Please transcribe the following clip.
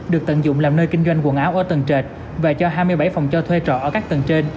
được tận dụng làm nơi kinh doanh quần áo ở tầng trệt và cho hai mươi bảy phòng cho thuê trọ ở các tầng trên